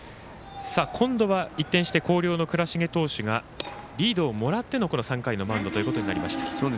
今度は一転して広陵の倉重投手がリードをもらっての３回のマウンドということになりました。